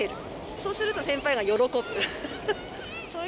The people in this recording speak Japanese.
そうすると先輩が喜ぶ。